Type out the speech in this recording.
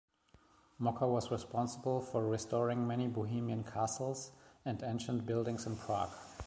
Mocker was responsible for restoring many Bohemian castles and ancient buildings in Prague.